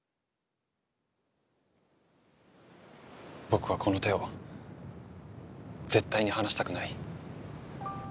僕はこの手を絶対に離したくない。